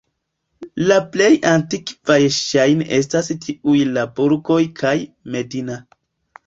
La plej antikvaj ŝajne estas tiuj de Burgos kaj Medina.